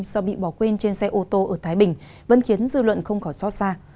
do bị bỏ quên trên xe ô tô ở thái bình vẫn khiến dư luận không khỏi xót xa